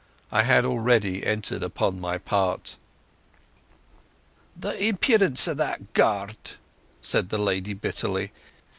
I had already entered upon my part. "The impidence o' that gyaird!" said the lady bitterly.